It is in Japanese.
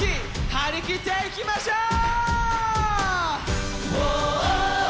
張り切っていきましょう！